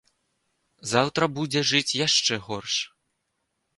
Заўтра будзе жыць яшчэ горш.